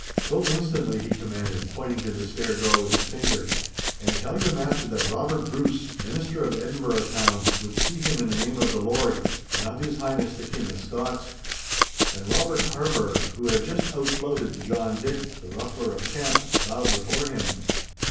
'Go, instantly,' he commanded, pointing to the stair door with his finger, 'and tell your master that Robert Bruce, Minister of Edinburgh Town, would see him in the name of the Lord and of His Highness the King of Scots.' And Robert Harburgh, who had just outflouted John Dick, the ruffler of camps, bowed before him.